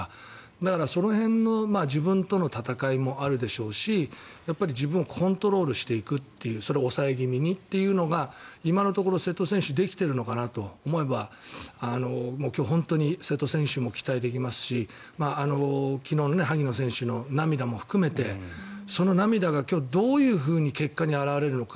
だから、その辺の自分との闘いもあるでしょうしやっぱり自分をコントロールしていくというそれを抑え気味にというのが今のところ瀬戸選手ができているのかなと思えば今日、本当に瀬戸選手も期待できますし昨日の萩野選手の涙も含めてその涙が、今日どういうふうに結果に表れるのか。